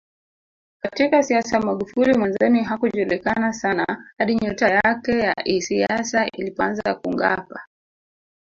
Katika siasa Magufuli mwanzoni hakujulikana sana hadi nyota yake ya isiasa ilipoanza kungaapa